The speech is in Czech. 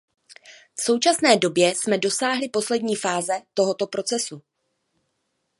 V současné době jsme dosáhli poslední fáze tohoto procesu.